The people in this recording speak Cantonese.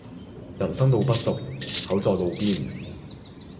人生路不熟口在路邊